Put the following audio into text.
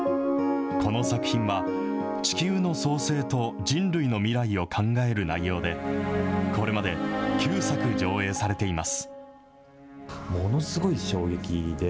この作品は、地球の創生と人類の未来を考える内容で、これまで９作上映されています。